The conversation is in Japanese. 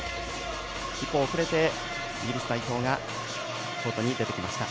一方、遅れてイギリス代表がコートに出てきました。